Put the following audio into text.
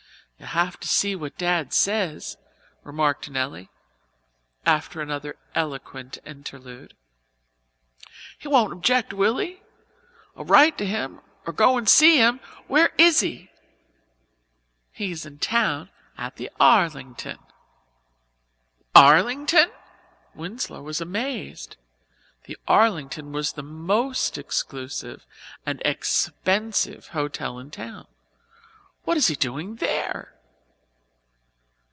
"You'll have to see what Dad says," remarked Nelly, after another eloquent interlude. "He won't object, will he? I'll write to him or go and see him. Where is he?" "He is in town at the Arlington." "The Arlington!" Winslow was amazed. The Arlington was the most exclusive and expensive hotel in town. "What is he doing there?"